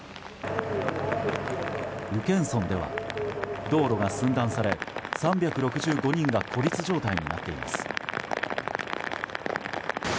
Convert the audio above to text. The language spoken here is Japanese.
宇検村では道路が寸断され３６５人が孤立状態になっています。